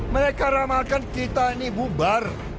mereka ramalkan kita ini bubar